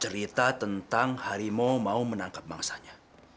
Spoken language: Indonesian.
cerita tentang harimau mau menangkap bangsanya